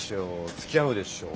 つきあうでしょ。